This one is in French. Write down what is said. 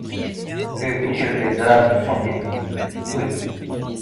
Prévenir les drames de santé publique, oui.